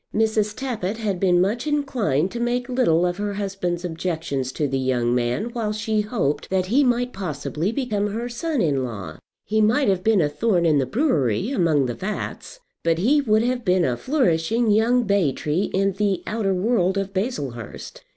Mrs. Tappitt had been much inclined to make little of her husband's objections to the young man while she hoped that he might possibly become her son in law. He might have been a thorn in the brewery, among the vats, but he would have been a flourishing young bay tree in the outer world of Baslehurst.